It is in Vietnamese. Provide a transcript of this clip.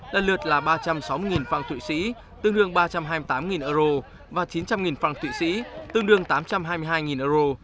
lần lượt là ba trăm sáu mươi phòng thụy sĩ tương đương ba trăm hai mươi tám euro và chín trăm linh phong thụy sĩ tương đương tám trăm hai mươi hai euro